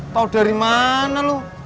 tau dari mana lo